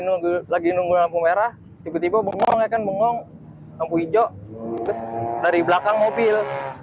nunggu lagi nunggu lampu merah tiba tiba bengong ya kan bengong lampu hijau terus dari belakang mobil